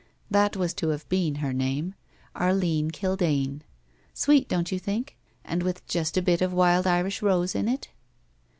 That was to have been her name. Arline Kaldane. Sweet, don't you think, and with just a bit of wild Irish rose in it?